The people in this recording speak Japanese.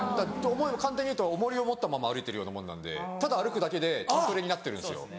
簡単にいうと重りを持ったまま歩いてるようなもんなんでただ歩くだけで筋トレになってるんですよ。